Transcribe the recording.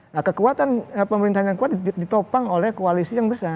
nah kekuatan pemerintahan yang kuat ditopang oleh koalisi yang besar